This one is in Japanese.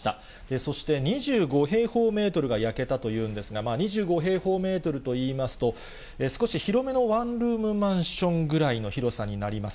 そして２５平方メートルが焼けたというんですが、２５平方メートルといいますと、少し広めのワンルームマンションぐらいの広さになります。